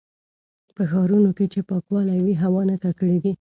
په ښارونو کې چې پاکوالی وي، هوا نه ککړېږي.